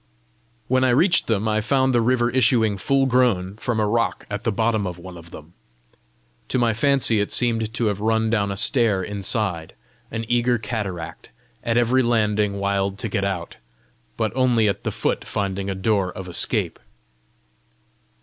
When I reached them, I found the river issuing full grown from a rock at the bottom of one of them. To my fancy it seemed to have run down a stair inside, an eager cataract, at every landing wild to get out, but only at the foot finding a door of escape.